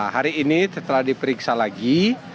hari ini setelah diperiksa lagi